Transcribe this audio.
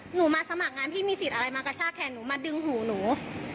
หนูมาสมัครงานพี่มีสิทธิ์อะไรมากระชากแขนหนูมาดึงหูหนู